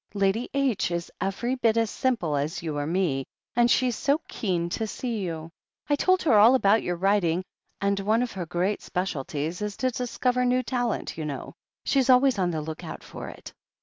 "Lady H. is every bit as simple as you or me, and she's so keen to see you. I told her all about your writing, and one of her great specialties is to discover new talent, you know. She's always on the look out for it."